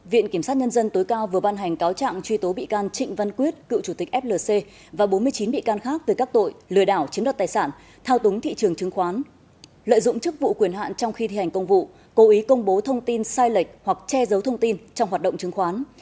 viện kiểm sát nhân dân tối cao vừa ban hành cáo trạng truy tố bị can trịnh văn quyết cựu chủ tịch flc và bốn mươi chín bị can khác về các tội lừa đảo chiếm đoạt tài sản thao túng thị trường chứng khoán lợi dụng chức vụ quyền hạn trong khi thi hành công vụ cố ý công bố thông tin sai lệch hoặc che giấu thông tin trong hoạt động chứng khoán